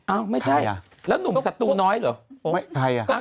อ้าวไม่ใช่แล้วหนุ่มศัตรูน้อยเหรอ